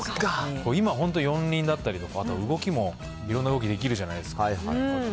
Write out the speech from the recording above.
今、本当４輪だったりとか、あと動きも、いろんな動きできるじゃないですか。